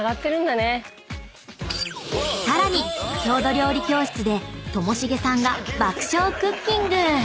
［さらに郷土料理教室でともしげさんが爆笑クッキング！］